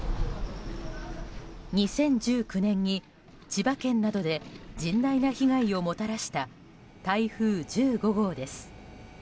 ２０１９年に千葉県などで甚大な被害をもたらした台風１５号です。